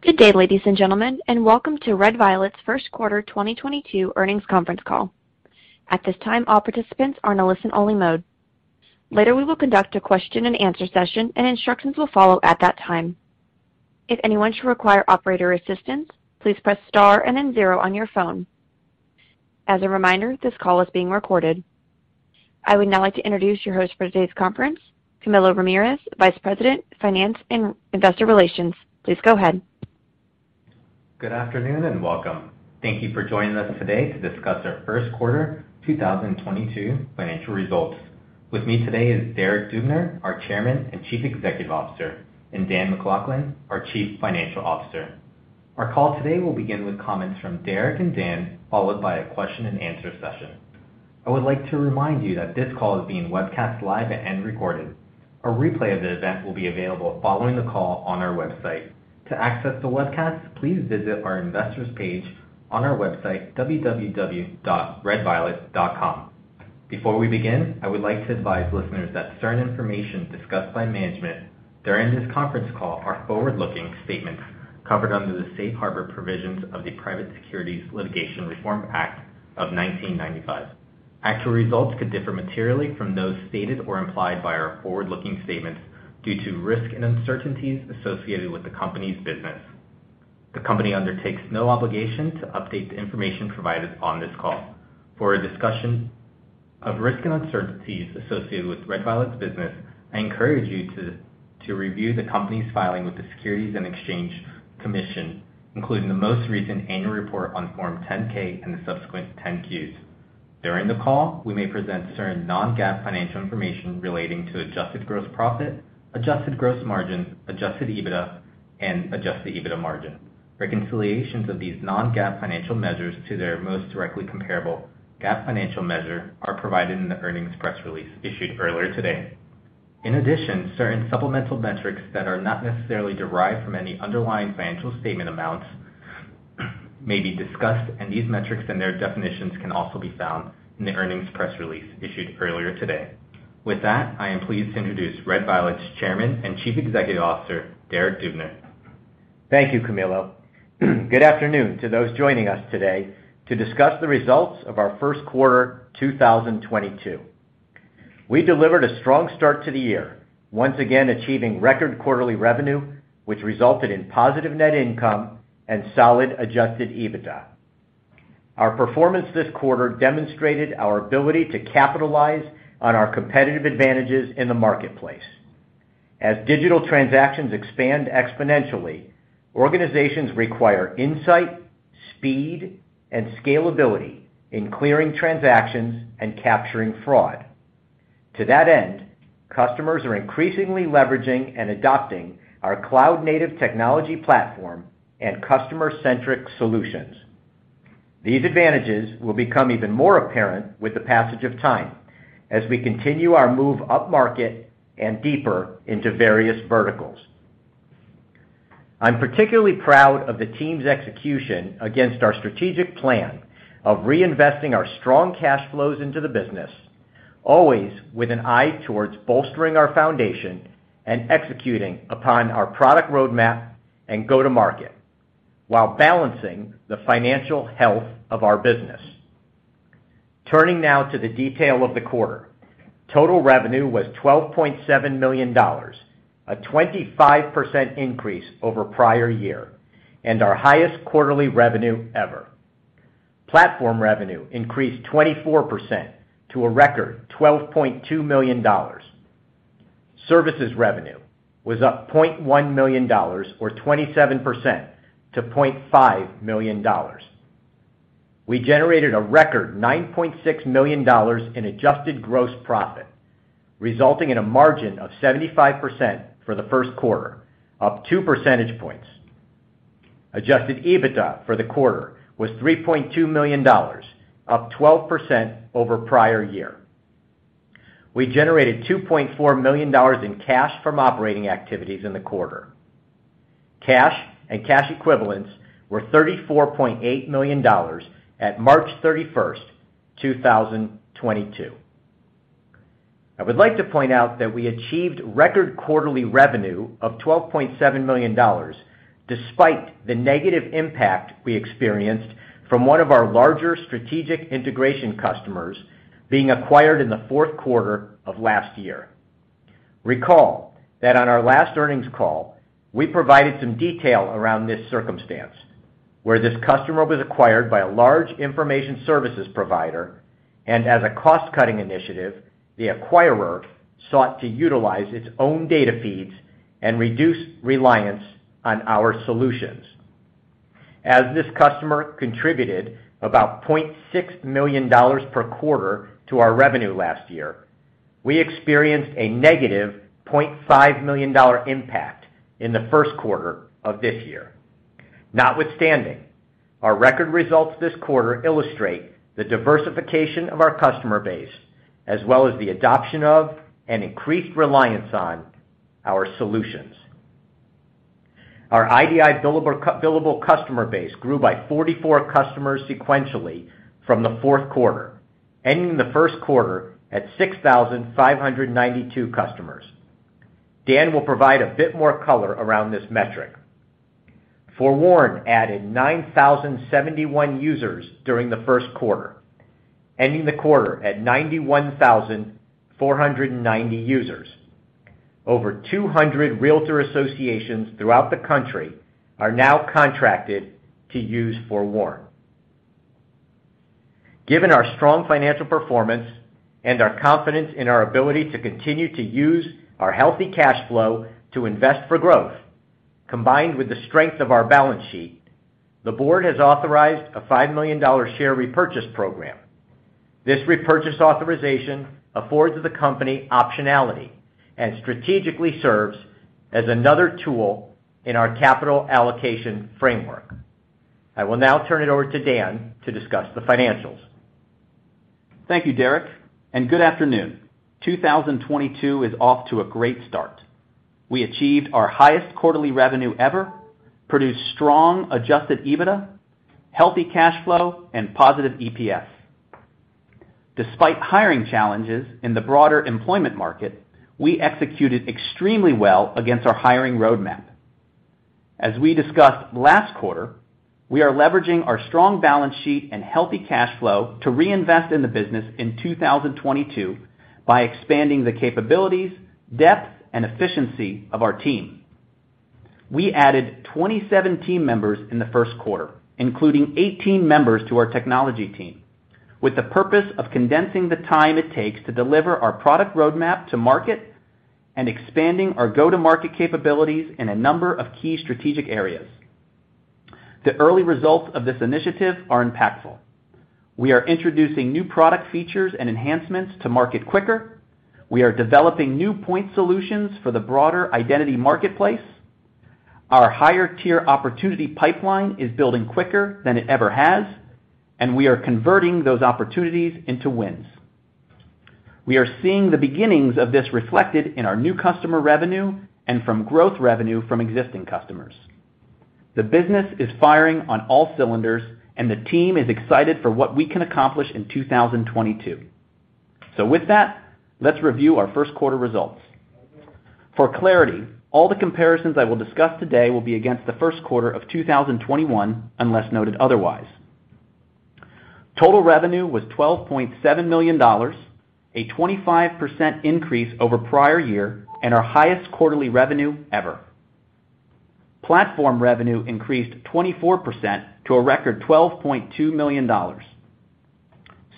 Good day, ladies and gentlemen, and welcome to Red Violet's Q1 2022 earnings conference call. At this time, all participants are in a listen-only mode. Later, we will conduct a question and answer session, and instructions will follow at that time. If anyone should require operator assistance, please press star and then zero on your phone. As a reminder, this call is being recorded. I would now like to introduce your host for today's conference, Camilo Ramirez, Vice President, Finance, and Investor Relations. Please go ahead. Good afternoon, and welcome. Thank you for joining us today to discuss our Q1 2022 financial results. With me today is Derek Dubner, our Chairman and Chief Executive Officer, and Dan MacLachlan, our Chief Financial Officer. Our call today will begin with comments from Derek and Dan, followed by a question and answer session. I would like to remind you that this call is being webcast live and recorded. A replay of the event will be available following the call on our website. To access the webcast, please visit our investors page on our website, www.redviolet.com. Before we begin, I would like to advise listeners that certain information discussed by management during this conference call are forward-looking statements covered under the safe harbor provisions of the Private Securities Litigation Reform Act of 1995. Actual results could differ materially from those stated or implied by our forward-looking statements due to risks and uncertainties associated with the company's business. The company undertakes no obligation to update the information provided on this call. For a discussion of risks and uncertainties associated with Red Violet's business, I encourage you to review the company's filing with the Securities and Exchange Commission, including the most recent annual report on Form 10-K and the subsequent 10-Qs. During the call, we may present certain non-GAAP financial information relating to adjusted gross profit, adjusted gross margin, adjusted EBITDA, and adjusted EBITDA margin. Reconciliations of these non-GAAP financial measures to their most directly comparable GAAP financial measure are provided in the earnings press release issued earlier today. In addition, certain supplemental metrics that are not necessarily derived from any underlying financial statement amounts may be discussed, and these metrics and their definitions can also be found in the earnings press release issued earlier today. With that, I am pleased to introduce Red Violet's Chairman and Chief Executive Officer, Derek Dubner. Thank you, Camilo. Good afternoon to those joining us today to discuss the results of our Q1 2022. We delivered a strong start to the year, once again achieving record quarterly revenue, which resulted in positive net income and solid adjusted EBITDA. Our performance this quarter demonstrated our ability to capitalize on our competitive advantages in the marketplace. As digital transactions expand exponentially, organizations require insight, speed, and scalability in clearing transactions and capturing fraud. To that end, customers are increasingly leveraging and adopting our cloud-native technology platform and customer-centric solutions. These advantages will become even more apparent with the passage of time as we continue our move upmarket and deeper into various verticals. I'm particularly proud of the team's execution against our strategic plan of reinvesting our strong cash flows into the business, always with an eye towards bolstering our foundation and executing upon our product roadmap and go-to-market, while balancing the financial health of our business. Turning now to the detail of the quarter. Total revenue was $12.7 million, a 25% increase over prior year and our highest quarterly revenue ever. Platform revenue increased 24% to a record $12.2 million. Services revenue was up $0.1 million or 27% to $0.5 million. We generated a record $9.6 million in adjusted gross profit, resulting in a margin of 75% for the Q1, up two percentage points. Adjusted EBITDA for the quarter was $3.2 million, up 12% over prior year. We generated $2.4 million in cash from operating activities in the quarter. Cash and cash equivalents were $34.8 million at 31 March, 2022. I would like to point out that we achieved record quarterly revenue of $12.7 million despite the negative impact we experienced from one of our larger strategic integration customers being acquired in the Q4 of last year. Recall that on our last earnings call, we provided some detail around this circumstance, where this customer was acquired by a large information services provider, and as a cost-cutting initiative, the acquirer sought to utilize its own data feeds and reduce reliance on our solutions. As this customer contributed about $0.6 million per quarter to our revenue last year, we experienced a negative $0.5 million impact in the Q1 of this year. Notwithstanding, our record results this quarter illustrate the diversification of our customer base as well as the adoption of and increased reliance on our solutions. Our IDI billable customer base grew by 44 customers sequentially from the Q4. Ending the Q1 at 6,592 customers. Dan will provide a bit more color around this metric. FOREWARN added 9,071 users during the Q1, ending the quarter at 91,490 users. Over 200 realtor associations throughout the country are now contracted to use FOREWARN. Given our strong financial performance and our confidence in our ability to continue to use our healthy cash flow to invest for growth, combined with the strength of our balance sheet, the board has authorized a $5 million share repurchase program. This repurchase authorization affords the company optionality and strategically serves as another tool in our capital allocation framework. I will now turn it over to Dan to discuss the financials. Thank you, Derek, and good afternoon. 2022 is off to a great start. We achieved our highest quarterly revenue ever, produced strong adjusted EBITDA, healthy cash flow, and positive EPS. Despite hiring challenges in the broader employment market, we executed extremely well against our hiring roadmap. As we discussed last quarter, we are leveraging our strong balance sheet and healthy cash flow to reinvest in the business in 2022 by expanding the capabilities, depth, and efficiency of our team. We added 27 team members in the Q1, including 18 members to our technology team, with the purpose of condensing the time it takes to deliver our product roadmap to market and expanding our go-to-market capabilities in a number of key strategic areas. The early results of this initiative are impactful. We are introducing new product features and enhancements to market quicker. We are developing new point solutions for the broader identity marketplace. Our higher-tier opportunity pipeline is building quicker than it ever has, and we are converting those opportunities into wins. We are seeing the beginnings of this reflected in our new customer revenue and from growth revenue from existing customers. The business is firing on all cylinders, and the team is excited for what we can accomplish in 2022. With that, let's review our Q1 results. For clarity, all the comparisons I will discuss today will be against the Q1 of 2021, unless noted otherwise. Total revenue was $12.7 million, a 25% increase over prior year and our highest quarterly revenue ever. Platform revenue increased 24% to a record $12.2 million.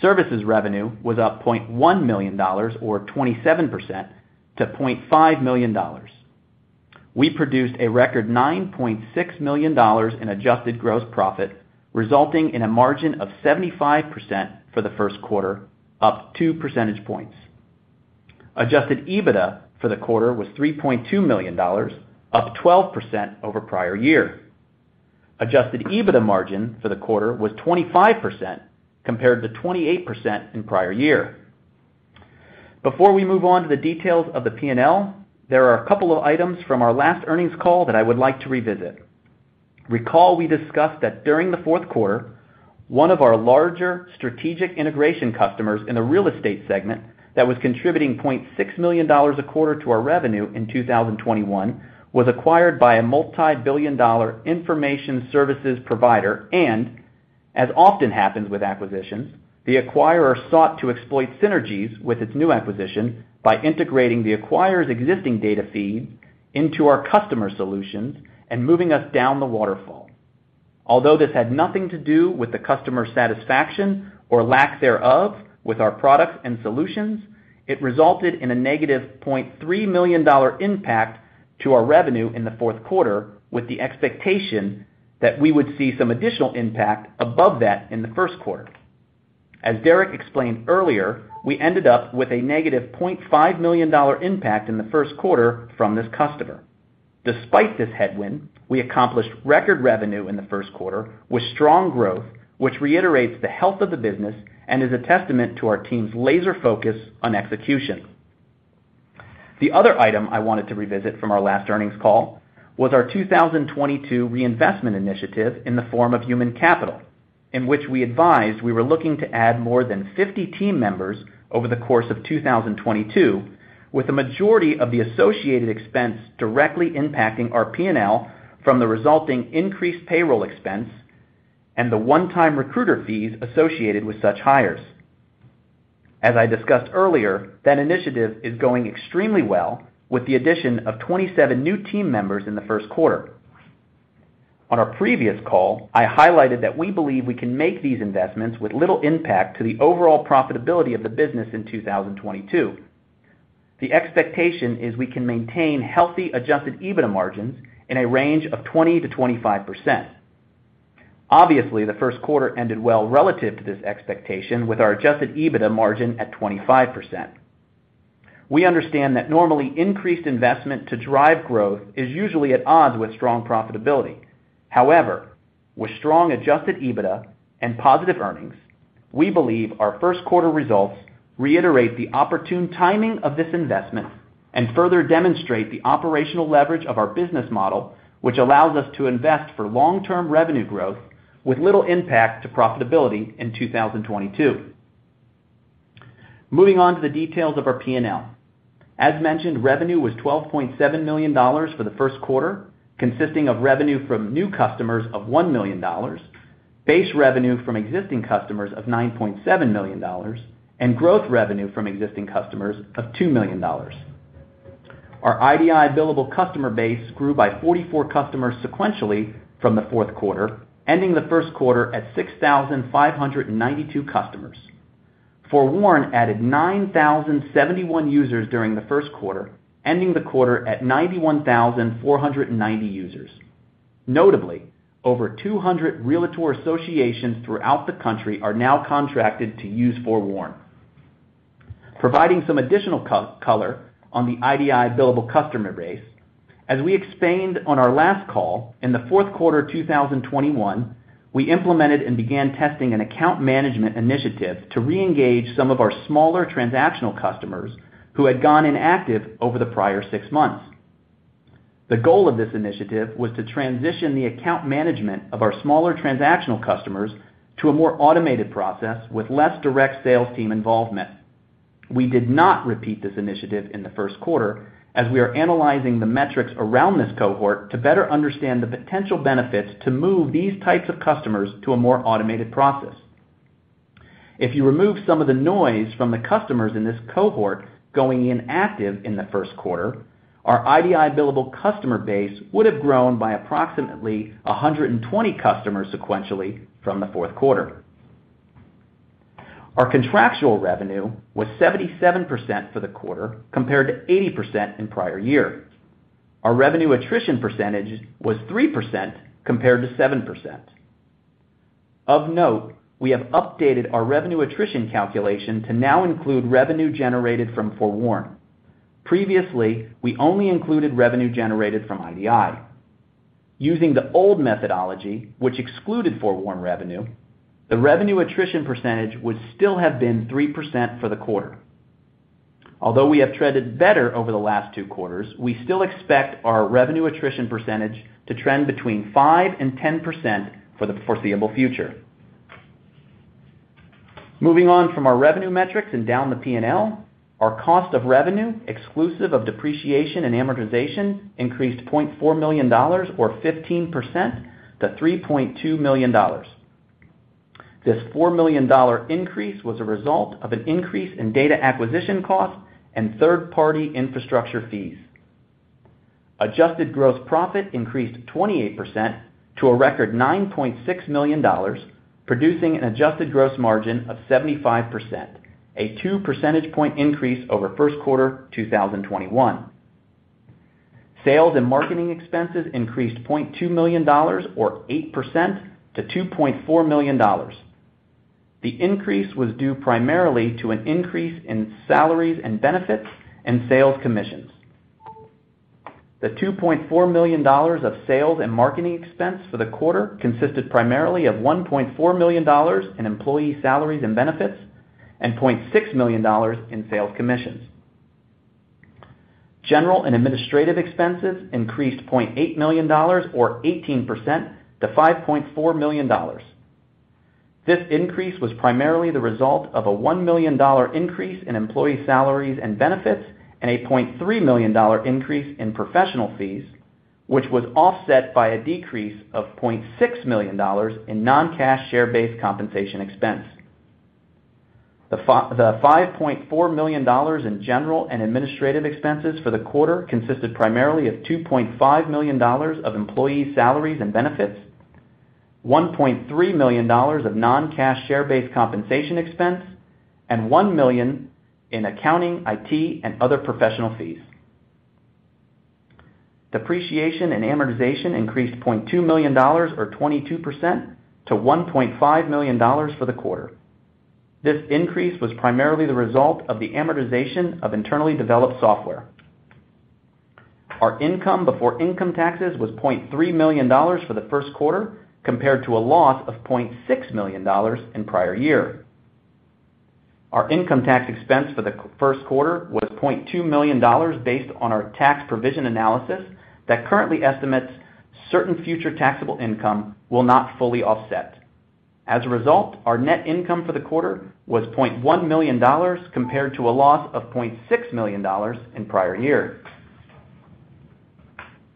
Services revenue was up $0.1 million or 27% to $0.5 million. We produced a record $9.6 million in adjusted gross profit, resulting in a margin of 75% for the Q1, up 2 percentage points. Adjusted EBITDA for the quarter was $3.2 million, up 12% over prior year. Adjusted EBITDA margin for the quarter was 25% compared to 28% in prior year. Before we move on to the details of the P&L, there are a couple of items from our last earnings call that I would like to revisit. Recall we discussed that during the Q4, one of our larger strategic integration customers in the real estate segment that was contributing $0.6 million a quarter to our revenue in 2021 was acquired by a multi-billion dollar information services provider. As often happens with acquisitions, the acquirer sought to exploit synergies with its new acquisition by integrating the acquirer's existing data feed into our customer solutions and moving us down the waterfall. Although this had nothing to do with the customer satisfaction or lack thereof with our products and solutions, it resulted in a -$0.3 million impact to our revenue in the Q4, with the expectation that we would see some additional impact above that in the Q1. As Derek explained earlier, we ended up with a -$0.5 million impact in the Q1 from this customer. Despite this headwind, we accomplished record revenue in the Q1 with strong growth, which reiterates the health of the business and is a testament to our team's laser focus on execution. The other item I wanted to revisit from our last earnings call was our 2022 reinvestment initiative in the form of human capital, in which we advised we were looking to add more than 50 team members over the course of 2022, with the majority of the associated expense directly impacting our P&L from the resulting increased payroll expense and the one-time recruiter fees associated with such hires. As I discussed earlier, that initiative is going extremely well with the addition of 27 new team members in the Q1. On our previous call, I highlighted that we believe we can make these investments with little impact to the overall profitability of the business in 2022. The expectation is we can maintain healthy adjusted EBITDA margins in a range of 20% to 25%. Obviously, the Q1 ended well relative to this expectation with our adjusted EBITDA margin at 25%. We understand that normally increased investment to drive growth is usually at odds with strong profitability. However, with strong adjusted EBITDA and positive earnings, we believe our Q1 results reiterate the opportune timing of this investment. Further demonstrate the operational leverage of our business model, which allows us to invest for long-term revenue growth with little impact to profitability in 2022. Moving on to the details of our P&L. As mentioned, revenue was $12.7 million for the Q1, consisting of revenue from new customers of $1 million, base revenue from existing customers of $9.7 million, and growth revenue from existing customers of $2 million. Our IDI billable customer base grew by 44 customers sequentially from the Q4, ending the Q1 at 6,592 customers. FOREWARN added 9,071 users during the Q1, ending the quarter at 91,490 users. Notably, over 200 realtor associations throughout the country are now contracted to use FOREWARN. Providing some additional color on the IDI billable customer base, as we explained on our last call, in the Q4 2021, we implemented and began testing an account management initiative to reengage some of our smaller transactional customers who had gone inactive over the prior six months. The goal of this initiative was to transition the account management of our smaller transactional customers to a more automated process with less direct sales team involvement. We did not repeat this initiative in the Q1, as we are analyzing the metrics around this cohort to better understand the potential benefits to move these types of customers to a more automated process. If you remove some of the noise from the customers in this cohort going inactive in the Q1, our IDI billable customer base would have grown by approximately 120 customers sequentially from the Q4. Our contractual revenue was 77% for the quarter, compared to 80% in prior year. Our revenue attrition percentage was 3% compared to 7%. Of note, we have updated our revenue attrition calculation to now include revenue generated from FOREWARN. Previously, we only included revenue generated from IDI. Using the old methodology, which excluded FOREWARN revenue, the revenue attrition percentage would still have been 3% for the quarter. Although we have trended better over the last two quarters, we still expect our revenue attrition percentage to trend between 5% and 10% for the foreseeable future. Moving on from our revenue metrics and down the P&L, our cost of revenue, exclusive of depreciation and amortization, increased $0.4 million or 15% to $3.2 million. This point four million dollar increase was a result of an increase in data acquisition costs and third-party infrastructure fees. Adjusted gross profit increased 28% to a record $9.6 million, producing an adjusted gross margin of 75%, a 2 percentage point increase over Q1 2021. Sales and marketing expenses increased $0.2 million or 8% to $2.4 million. The increase was due primarily to an increase in salaries and benefits and sales commissions. The $2.4 million of sales and marketing expense for the quarter consisted primarily of $1.4 million in employee salaries and benefits and $0.6 million in sales commissions. General and administrative expenses increased $0.8 million or 18% to $5.4 million. This increase was primarily the result of a $1 million increase in employee salaries and benefits and a $0.3 million increase in professional fees, which was offset by a decrease of $0.6 million in non-cash share-based compensation expense. The $5.4 million in general and administrative expenses for the quarter consisted primarily of $2.5 million of employee salaries and benefits, $1.3 million of non-cash share-based compensation expense, and $1 million in accounting, IT, and other professional fees. Depreciation and amortization increased $0.2 million or 22% to $1.5 million for the quarter. This increase was primarily the result of the amortization of internally developed software. Our income before income taxes was $0.3 million for the Q1, compared to a loss of $0.6 million in prior year. Our income tax expense for the Q1 was $0.2 million based on our tax provision analysis that currently estimates certain future taxable income will not fully offset. As a result, our net income for the quarter was $0.1 million, compared to a loss of $0.6 million in prior year.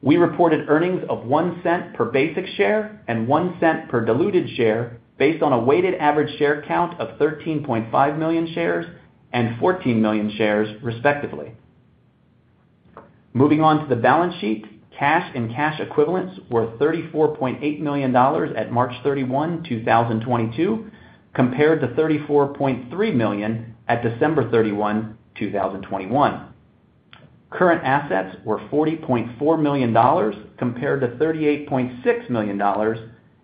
We reported earnings of $0.01 per basic share and $0.01 per diluted share based on a weighted average share count of 13.5 million shares and 14 million shares, respectively. Moving on to the balance sheet, cash and cash equivalents were $34.8 million at 31 March, 2022, compared to $34.3 million at 31 December, 2021. Current assets were $40.4 million compared to $38.6 million,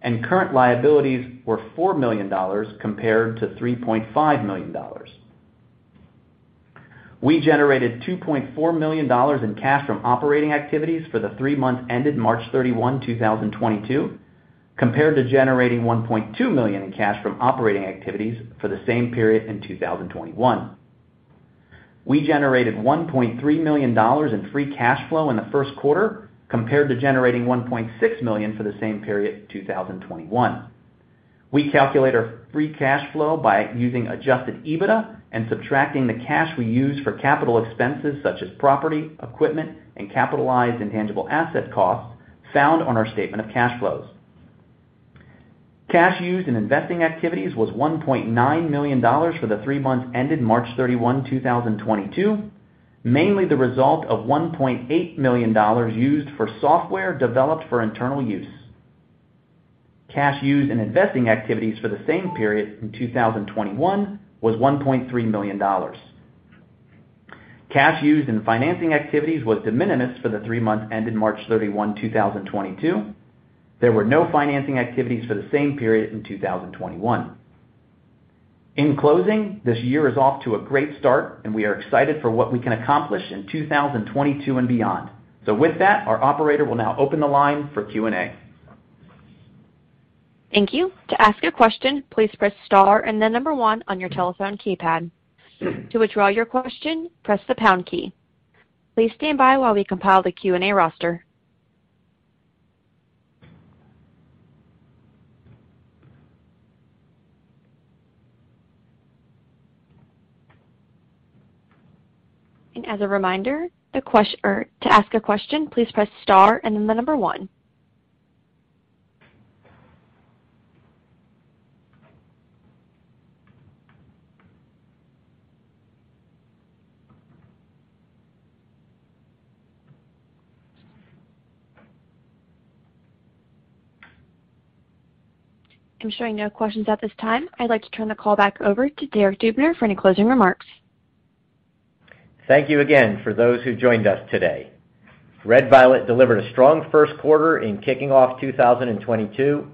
and current liabilities were $4 million compared to $3.5 million. We generated $2.4 million in cash from operating activities for the three months ended 31 March, 2022. Compared to generating $1.2 million in cash from operating activities for the same period in 2021. We generated $1.3 million in free cash flow in the Q1 compared to generating $1.6 million for the same period in 2021. We calculate our free cash flow by using adjusted EBITDA and subtracting the cash we use for capital expenses such as property, equipment, and capitalized intangible asset costs found on our statement of cash flows. Cash used in investing activities was $1.9 million for the three months ended 31 March, 2022, mainly the result of $1.8 million used for software developed for internal use. Cash used in investing activities for the same period in 2021 was $1.3 million. Cash used in financing activities was de minimis for the three months ended 31 March, 2022. There were no financing activities for the same period in 2021. In closing, this year is off to a great start, and we are excited for what we can accomplish in 2022 and beyond. With that, our operator will now open the line for Q&A. Thank you. To ask your question, please press star and then number one on your telephone keypad. To withdraw your question, press the pound key. Please stand by while we compile the Q&A roster. As a reminder, to ask a question, please press star and then the number one. I'm showing no questions at this time. I'd like to turn the call back over to Derek Dubner for any closing remarks. Thank you again for those who joined us today. Red Violet delivered a strong Q1 in kicking off 2022.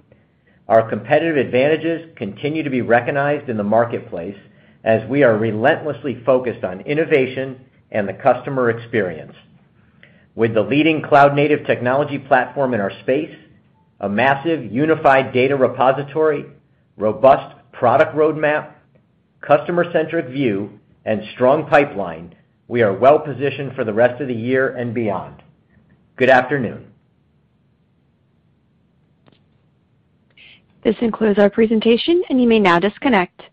Our competitive advantages continue to be recognized in the marketplace as we are relentlessly focused on innovation and the customer experience. With the leading cloud-native technology platform in our space, a massive unified data repository, robust product roadmap, customer-centric view, and strong pipeline, we are well positioned for the rest of the year and beyond. Good afternoon. This concludes our presentation, and you may now disconnect.